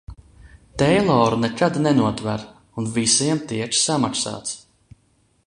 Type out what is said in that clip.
Teiloru nekad nenotver, un visiem tiek samaksāts!